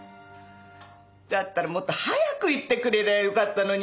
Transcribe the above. だったらもっと早く言ってくれりゃよかったのに。